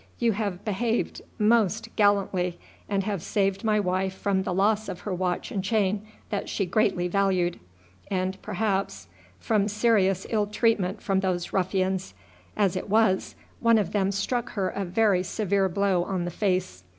You have behaved most gallantly, and have saved my wife from the loss of her watch and chain that she greatly valued, and perhaps from serious ill treatment from those ruffians; as it was, one of them struck her a very severe blow on the face.